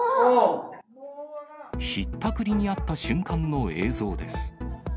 ひったくりに遭った瞬間の映像です。